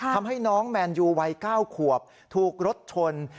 ทำให้น้องแมนยูวัย๙ขวบถูกรถชน